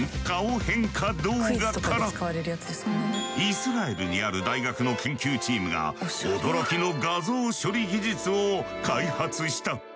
イスラエルにある大学の研究チームが驚きの画像処理技術を開発した。